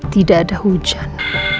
tidak ada hujan